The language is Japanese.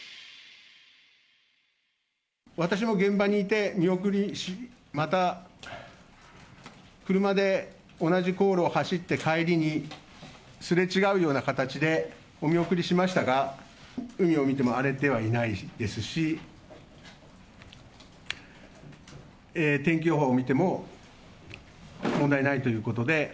私も現場にいて見送りし、また車で同じ航路を走って、帰りにすれ違うような形でお見送りしましたが、海を見ても荒れてはいないですし、天気予報を見ても問題ないということで。